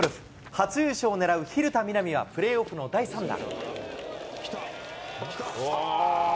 初優勝をねらう蛭田みな美は、プレーオフの第３打。